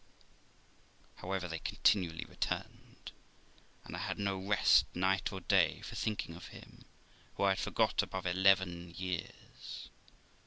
However, they continually returned, and I had no rest night or day for thinking of him, who I had forgot above eleven years.